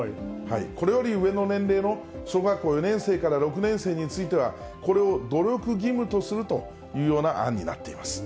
これより上の年齢の小学校４年生から６年生については、これを努力義務とするというような案になっています。